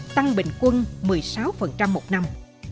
tăng bình quân một mươi sáu một năm